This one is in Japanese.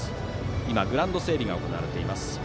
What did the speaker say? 今、グラウンド整備が行われています。